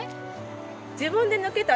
自分で抜けたね。